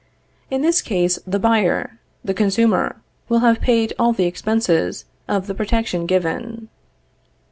In this case the buyer, the consumer, will have paid all the expenses of the protection given.